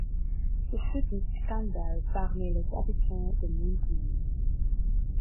Ce fut un scandale parmi les habitants de Montigny.